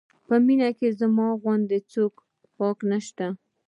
په مینه کې زما غوندې څوک پاک نه شته.